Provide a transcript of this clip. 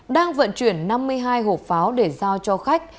đang vận chuyển năm mươi hai hộp pháo để giao cho khách